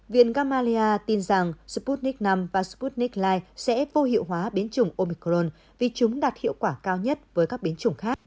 viện gamalia tin rằng sputnik v và sputnik li sẽ vô hiệu hóa biến chủng omicron vì chúng đạt hiệu quả cao nhất với các biến chủng khác